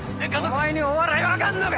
お前にお笑い分かんのか